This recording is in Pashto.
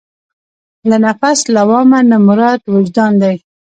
له نفس لوامه نه مراد وجدان دی.